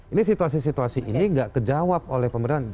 ini situasi situasi ini tidak kejawab oleh pemerintahan